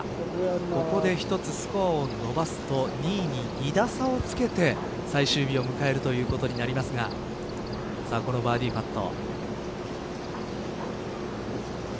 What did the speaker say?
ここで１つスコアを伸ばすと２位に２打差をつけて最終日を迎えるということになりますがこのバーディーパット。